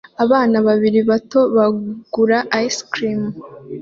Abana babiri bato bagura ice cream